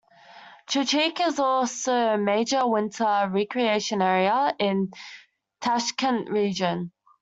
Chirchiq is also a major winter recreation area in Tashkent Region.